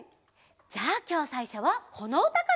じゃあきょうさいしょはこのうたから！